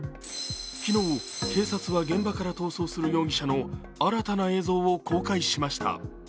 昨日、警察は現場から逃走する容疑者の新たな映像を公開しました。